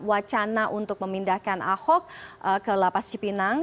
wacana untuk memindahkan ahok ke lapas cipinang